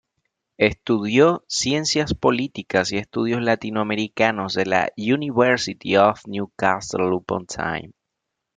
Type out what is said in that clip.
Estudió Ciencias Políticas y Estudios Latinoamericanos de la University of New Castle Upon Time.